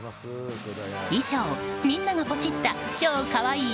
以上みんながポチった超かわいい！